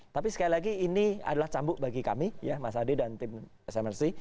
tapi sekali lagi ini adalah cambuk bagi kami ya mas ade dan tim smrc